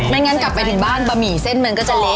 งั้นกลับไปถึงบ้านบะหมี่เส้นมันก็จะเล็ก